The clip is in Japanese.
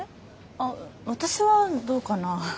あ私はどうかな？